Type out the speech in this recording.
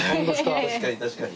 確かに確かに。